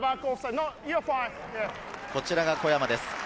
こちらが小山です。